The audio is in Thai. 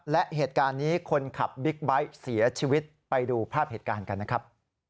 และเหตุการณ์นี้คนขับบิ๊กไบท์เสียชีวิตไปดูภาพเหตุการณ์กันนะครับ